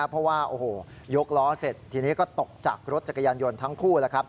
เพราะว่ายกล้อเสร็จทีนี้ก็ตกจากรถจักรยานยนต์ทั้งคู่